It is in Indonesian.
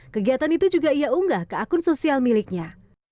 kegiatan itu juga ia unggah ke akun sosial miliknya